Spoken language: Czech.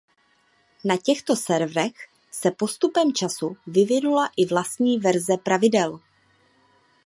Na těchto serverech se postupem času vyvinula i vlastní verze pravidel.